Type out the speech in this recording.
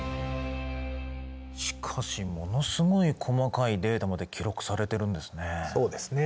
しかしものすごい細かいデータまで記録されてるんですね。